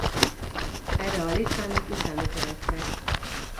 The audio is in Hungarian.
Erre a litvánok utánuk eredtek.